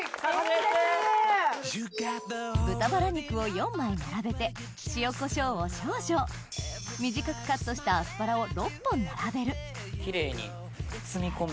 豚バラ肉を４枚並べて塩コショウを少々短くカットしたアスパラを６本並べるキレイに包み込む。